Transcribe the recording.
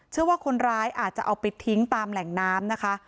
เชื่อว่าคนร้ายอาจจะเอาไปทิ้งตามแหล่งน้ำนะคะ